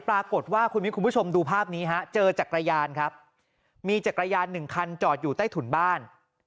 ปรากฏว่าคุณมิ้นคุณผู้ชมดูภาพนี้ฮะเจอจักรยานครับมีจักรยานหนึ่งคันจอดอยู่ใต้ถุนบ้าน